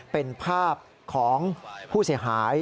เป็นภาพของผู้เสียหาย